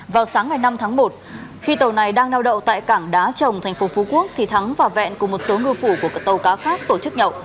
vào sáng ngày năm tháng một khi tàu này đang nao đậu tại cảng đá trồng tp hcm thì thắng và vẹn cùng một số ngư phủ của tàu cá khác tổ chức nhậu